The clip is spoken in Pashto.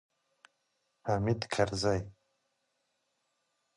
حامده! حامد کرزیه!